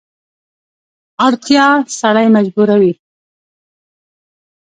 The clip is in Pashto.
اړتیا سړی مجبوروي.